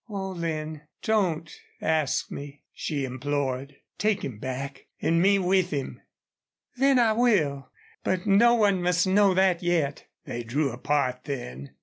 "Oh, Lin don't ask me," she implored. "Take him back an' me with him." "Then I will. But no one must know that yet." They drew apart then.